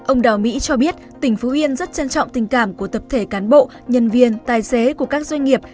ông đào mỹ cho biết tỉnh phú yên rất trân trọng tình cảm của tập thể cán bộ nhân viên tài xế của các doanh nghiệp